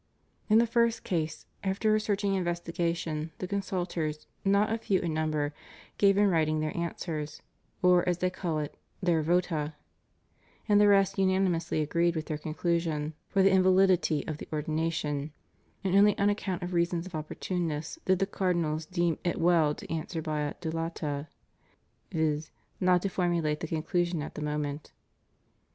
In the first case, after a searching investigation, the consultors, not a few in number, gave in writing their answers — or, as they call it, their vota — and the rest unanimously agreed with their conclusion, for "the invalidity of the Ordination," and only on account of reasons of opportuneness did the Cardinals deem it well to answer by a "dilata" [viz., not to formulate the conclusion at the moment].